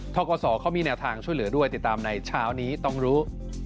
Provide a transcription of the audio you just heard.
กศเขามีแนวทางช่วยเหลือด้วยติดตามในเช้านี้ต้องรู้